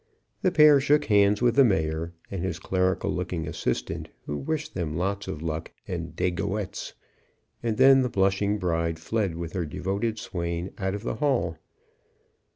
The pair shook hands with the Mayor and his clerical looking assistant, who wished them lots of luck and "dagoettes," and then the blushing bride fled with her devoted swain out of the hall.